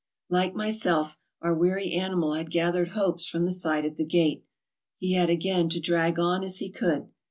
Like myself, our weary animal had gathered hopes from the sight of the gate. He had again to drag on as he could.